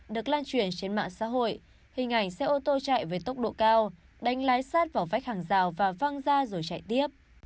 được lan truyền trên mạng xã hội hình ảnh xe ô tô chạy với tốc độ cao đánh lái sát vào vách hàng rào và văng ra rồi chạy tiếp